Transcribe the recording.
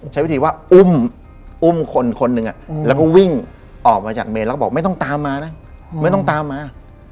ใช้วิธีว่าอุ้มอุ้มคนคนหนึ่งแล้วก็วิ่งออกมาจากเมนแล้วก็บอกไม่ต้องตามมานะไม่ต้องตามมา